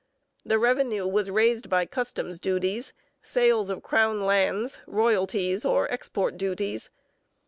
The revenue was raised by customs duties, sales of crown lands, royalties, or export duties.